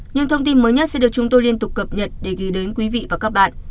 những thông tin mới nhất sẽ được chúng tôi liên tục cập nhật để gửi đến quý vị và các bạn